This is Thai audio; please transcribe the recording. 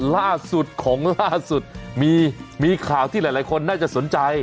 ล่าสุดของล่าสุดมีข่าวที่หลายคนน่าจะสนใจ